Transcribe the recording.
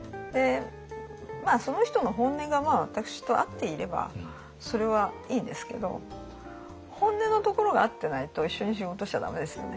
その人の本音が私と合っていればそれはいいんですけど本音のところが合ってないと一緒に仕事しちゃ駄目ですよね。